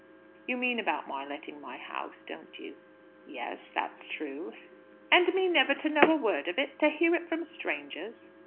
"You mean about my letting my house, don't you? Yes; that's true." "And me never to know a word of it! To hear it from strangers!"